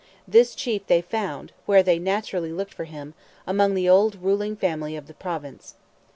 This chief they found, where they naturally looked for him, among the old ruling family of the Province.